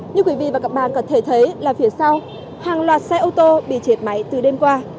như quý vị và các bạn có thể thấy là phía sau hàng loạt xe ô tô bị chết máy từ đêm qua